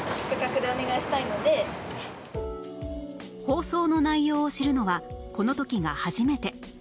放送の内容を知るのはこの時が初めて